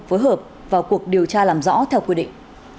phối hợp vào cuộc điều tra làm rõ theo quy định